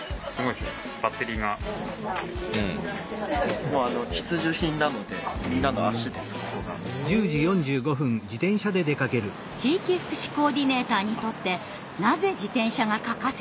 地域福祉コーディネーターにとってなぜ自転車が欠かせないかというと。